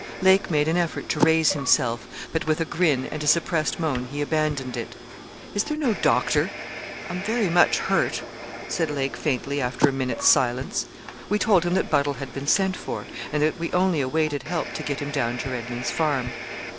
Lake made an effort to raise himself, but with a grin and a suppressed moan he abandoned it. 'Is there no doctor I'm very much hurt?' said Lake, faintly, after a minute's silence. We told him that Buddle had been sent for; and that we only awaited help to get him down to Redman's Farm.